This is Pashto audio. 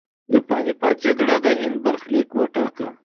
د پاني پت جګړې د هند برخلیک وټاکه.